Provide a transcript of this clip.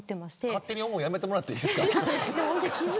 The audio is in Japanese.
勝手に思うのやめてもらっていいですか。